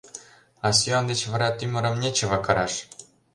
А сӱан деч вара тӱмырым нечево кыраш!